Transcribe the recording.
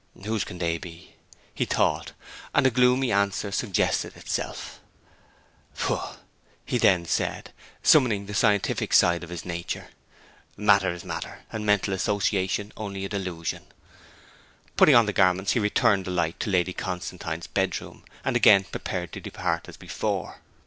'Whose can they be?' he thought, and a gloomy answer suggested itself. 'Pooh,' he then said (summoning the scientific side of his nature), 'matter is matter, and mental association only a delusion.' Putting on the garments he returned the light to Lady Constantine's bedroom, and again prepared to depart as before.